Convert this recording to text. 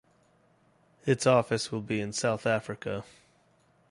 Its office will be in South Africa.